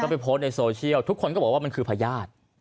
ไปโพสต์ในโซเชียลทุกคนก็บอกว่ามันคือพญาติ